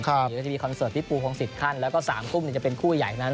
จะมีคอนเสิร์ตที่ปูฮองสิบขั้นแล้วก็สามกุ้มเนี่ยจะเป็นคู่ใหญ่ขนาดนั้น